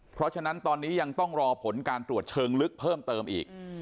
เพราะฉะนั้นตอนนี้ยังต้องรอผลการตรวจเชิงลึกเพิ่มเติมอีก